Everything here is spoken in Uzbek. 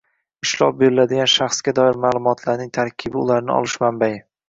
ishlov beriladigan shaxsga doir ma’lumotlarning tarkibi, ularni olish manbai